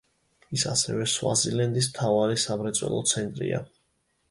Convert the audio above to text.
ის ასევე სვაზილენდის მთავარი სამრეწველო ცენტრია.